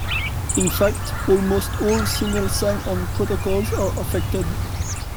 In fact, almost all Single sign-on protocols are affected.